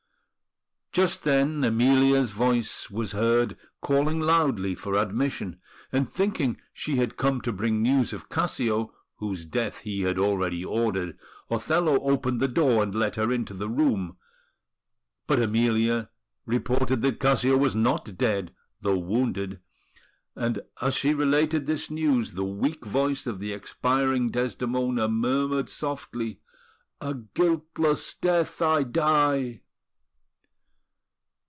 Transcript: Just then Emilia's voice was heard calling loudly for admission; and thinking she had come to bring news of Cassio, whose death he had already ordered, Othello opened the door and let her into the room. But Emilia reported that Cassio was not dead, though wounded; and as she related this news the weak voice of the expiring Desdemona murmured softly, "A guiltless death I die!"